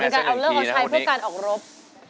เป็นการเอาเรื่องเขาภาพชัยพฤตกรรดิ์ออกรบ